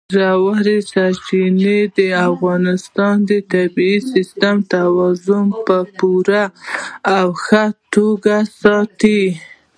ژورې سرچینې د افغانستان د طبعي سیسټم توازن په پوره او ښه توګه ساتي.